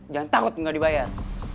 jangan takut gak dibayar